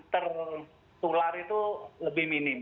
tertular itu lebih minim